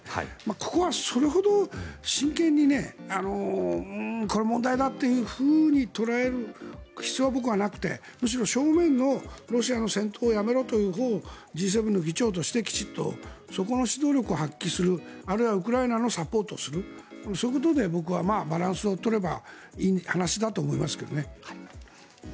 ここはそれほど真剣にこの問題だというふうに捉える必要は僕はなくてむしろ、正面の、ロシアの戦闘をやめろというほうをＧ７の議長としてきちっとそこの指導力を発揮するあるいはウクライナのサポートをするそういうことでバランスを取ればいい話だと思いますけどね。